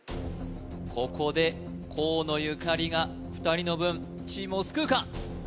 ここで河野ゆかりが２人の分チームを救うか？